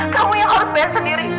kamu yang harus bayar sendiri